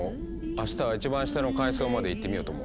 あしたは一番下の階層まで行ってみようと思う。